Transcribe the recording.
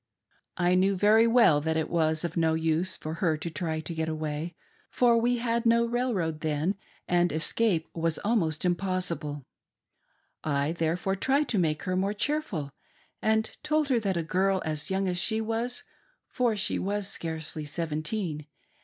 I knew Very well that it was of no use for her to try to get away, for we had no railroad then, and escape was almost impossible. I therefore tried to make her more cheerful, and told her that a girl as ybung as she was — for she was scarcely seventeen —.